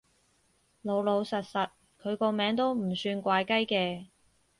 老老實實，佢個名都唔算怪雞嘅